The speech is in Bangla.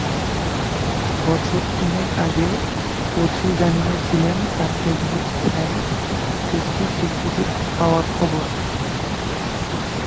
বছর তিনেক আগে পড়শী জানিয়েছিলেন তাঁর ফেসবুক ফ্যান পেজটির স্বীকৃতি পাওয়ার খবর।